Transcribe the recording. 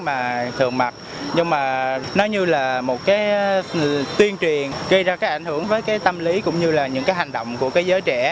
mà thường mặc nhưng mà nó như là một cái tuyên truyền gây ra cái ảnh hưởng với cái tâm lý cũng như là những cái hành động của cái giới trẻ